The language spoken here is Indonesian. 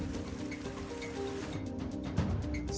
ketika penumpang lansia menangis penumpang lansia menangis